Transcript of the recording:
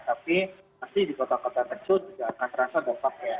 tapi pasti di kota kota kecil juga akan terasa dampaknya